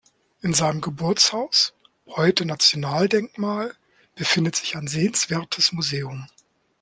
In seinem Geburtshaus, heute Nationaldenkmal, befindet sich ein sehenswertes Museum.